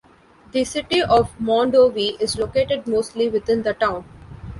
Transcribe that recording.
The city of Mondovi is located mostly within the town.